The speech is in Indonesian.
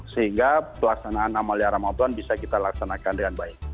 sehingga pelaksanaan amalia ramadan bisa kita laksanakan dengan baik